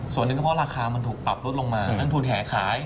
ส่วนหนึ่งก็เพราะราคามันถูกปรับลดลงมานั่นทุนแห่ขาย